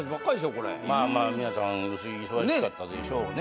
これまあまあ皆さん忙しかったでしょうね